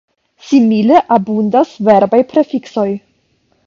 Simile, abundas verbaj prefiksoj.